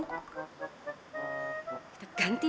kita bisa mencari